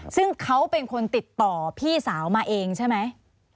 ซึ่งเขาเป็นคนติดต่อพี่สาวมาเองใช่ไหม